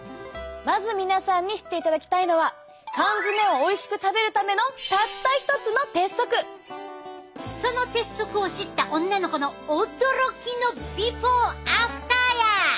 まず皆さんに知っていただきたいのはその鉄則を知った女の子の驚きのビフォーアフターや！